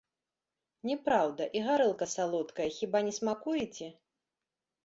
Не праўда, і гарэлка салодкая, хіба не смакуеце?